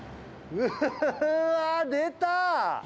うわー、出た！